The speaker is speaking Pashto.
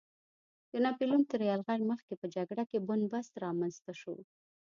د ناپیلیون تر یرغل مخکې په جګړه کې بن بست رامنځته شو.